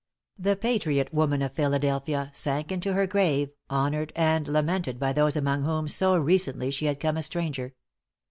The patriot woman of Philadelphia sank into her grave, honored and lamented by those among whom so recently she had come a stranger.